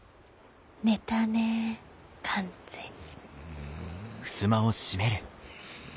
寝たね完全に。